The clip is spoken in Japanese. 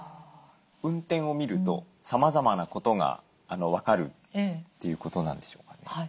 運転を見るとさまざまなことが分かるということなんでしょうかね？